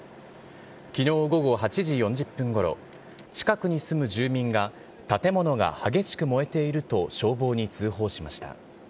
きのう午後８時４０分ごろ、近くに住む住民が、建物が激しく燃えていると消防に通報しました。